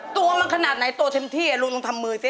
ตัวมันขนาดไหนตัวเต็มที่ลุงลองทำมือสิ